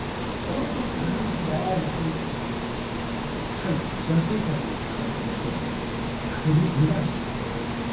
対ロシア政策を批判する１人ナセル・ノバリ氏です。